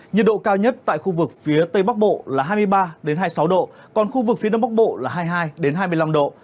nhiệt độ cao nhất tại khu vực phía tây bắc bộ là hai mươi ba hai mươi sáu độ còn khu vực phía đông bắc bộ là hai mươi hai hai mươi năm độ